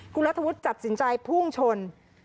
คุณรัฐวุฒิตัดสินใจพุ่งชน